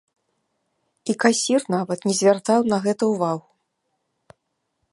І касір нават не звяртаў на гэта ўвагу.